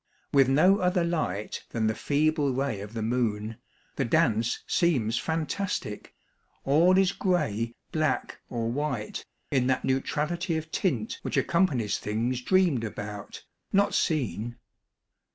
With no other light than the feeble ray of the moon, the dance seems fantastic. All is gray, black, or white, in that neutrality of tint which ac companies things dreamed about, not seen.